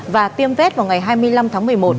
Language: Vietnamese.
và tiêm vết vào ngày hai mươi năm tháng một mươi một